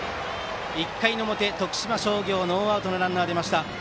１回の表、徳島商業ノーアウトのランナーが出ました。